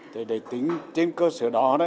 thì để tính trên cơ sở đó